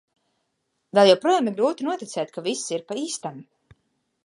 Vēl joprojām ir grūti noticēt, ka viss ir pa īstam.